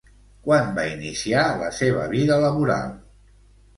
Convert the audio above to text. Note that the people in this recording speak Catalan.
Quan va iniciar la seva vida laboral?